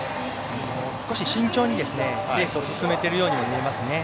慎重にレースを進めているように見えますね。